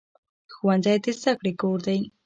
ښوونځی د زده کړې کور دی